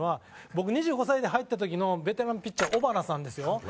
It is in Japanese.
僕２５歳で入った時のベテランピッチャー尾花さんですよ。